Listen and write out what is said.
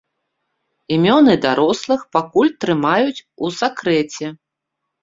Імёны дарослых пакуль трымаюць у сакрэце.